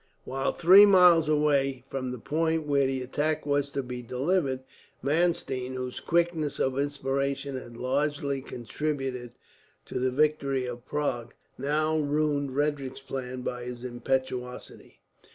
While three miles away from the point where the attack was to be delivered, Mannstein, whose quickness of inspiration had largely contributed to the victory of Prague, now ruined Frederick's plan by his impetuosity.